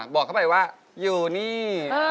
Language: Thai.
บอกเขาไปว่าอยู่นี่